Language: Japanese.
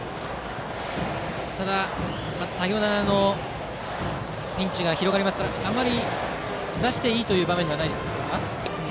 ただサヨナラのピンチが広がりますので出していい場面ではないです。